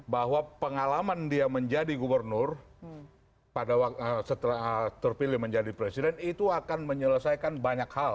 bahwa pengalaman dia menjadi gubernur setelah terpilih menjadi presiden itu akan menyelesaikan banyak hal